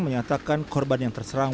menyatakan korban yang terserang